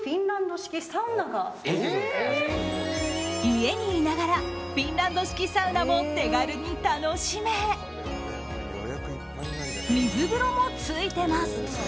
家にいながらフィンランド式サウナも手軽に楽しめ水風呂もついてます。